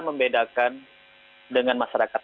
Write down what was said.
membedakan dengan masyarakat